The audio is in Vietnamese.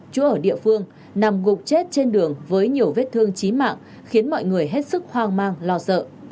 chú ở địa phương nằm gục chết trên đường với nhiều vết thương chí mạng khiến mọi người hết sức hoang mang lo sợ